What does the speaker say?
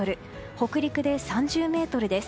北陸で３０メートルです。